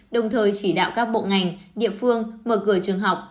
đồng thời chỉ đạo các bộ ngành địa phương mở cửa trường học